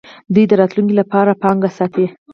دوی د راتلونکي لپاره پانګه ساتي.